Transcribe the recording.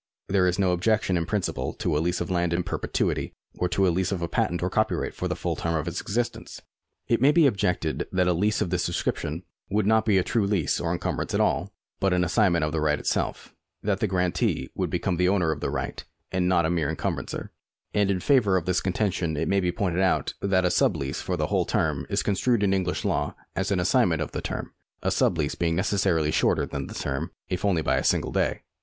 There is no objection in principle to a lease of land in perpetuity, or to a lease of a patent or copyright for the full term of its existence. It may be objected that a lease of this descrip tion would not be a true lease or encumbrance at all, but an assignment of the right itself ; that the grantee would become the OAvner of the right, and not a mere encumbrancer ; and in favour of this contention it may be pointed out that a sub lease for the whole term is construed in English law as an assignment of the term, a sub lease being necessarily shorter than the term, if only by a single day.